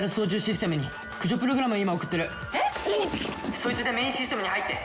そいつでメインシステムに入って！